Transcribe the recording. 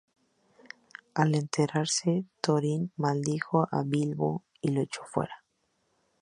Al enterarse Thorin maldijo a Bilbo y lo echó fuera.